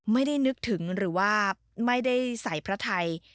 ไม่ได้นึกถึงหรือว่าไม่ได้ใส่พระไทย